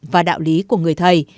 và đạo lý của người thầy